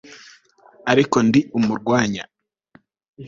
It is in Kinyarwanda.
ariko ndi umurwanya